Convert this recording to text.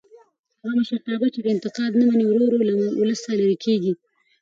هغه مشرتابه چې انتقاد نه مني ورو ورو له ولسه لرې کېږي